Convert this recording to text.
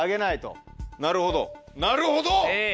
なるほどなるほど！